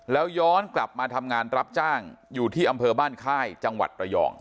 แล้วย้อนกลับมาทำงานรับจ้างอยู่ที่อำเภอบ้านค่ายจังหวัดระยอง